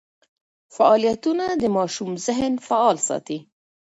فعالیتونه د ماشوم ذهن فعال ساتي.